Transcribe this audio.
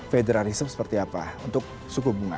federalism seperti apa untuk suku bunga